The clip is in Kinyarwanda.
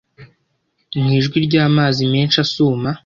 Mu ijwi ry’amazi menshi asuma